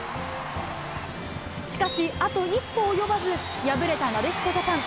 しかし、あと一歩及ばず、敗れたなでしこジャパン。